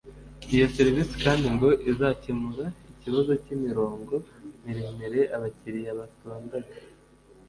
Iyo serivisi kandi ngo izakemura ikibazo cy’imirongo miremire abakiriya batondaga